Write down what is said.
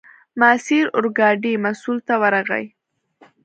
ماسیر اورګاډي مسوول ته ورغی.